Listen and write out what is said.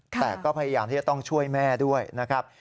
แต่ก็พยายามที่จะต้องช่วยแม่ด้วยนะครับ